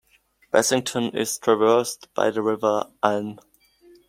Bassington is traversed by the River Aln.